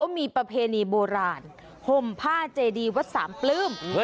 มีประเพณีโบราณห่มผ้าเจดีวัดสามปลื้ม